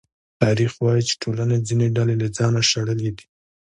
تاریخ وايي چې ټولنې ځینې ډلې له ځانه شړلې دي.